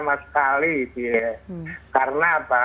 saya kira sekarang ini tidak tepat sama sekali